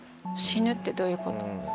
「死ぬってどういうこと？」。